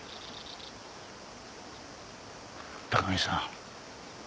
高木さん。